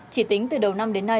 chỉ tính từ đầu năm đến năm